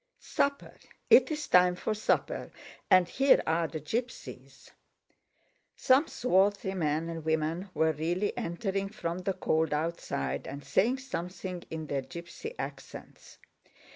"Supper, it's time for supper! And here are the gypsies!" Some swarthy men and women were really entering from the cold outside and saying something in their gypsy accents.